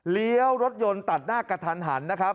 เลี้ยวรถยนต์ตัดหน้ากระทันหันนะครับ